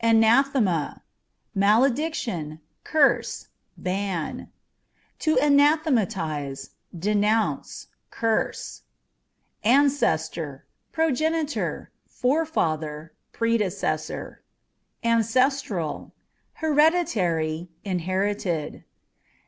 Anathema â€" malediction, curse, ban. To Anathematizeâ€" denounce, curse. Ancestor â€" progenitor, forefather, predecessor. Ancestral â€" hereditary ; inherited.